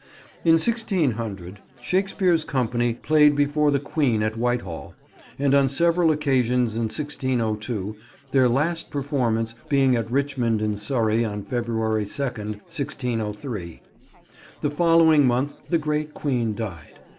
In 1600 Shakespeare's company played before the Queen at Whitehall, and on several occasions in 1602: their last performance being at Richmond in Surrey on February 2nd, 1603. The following month the great Queen died.